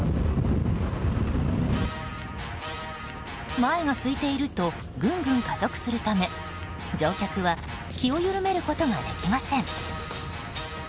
前がすいているとぐんぐん加速するため乗客は気を緩めることができません。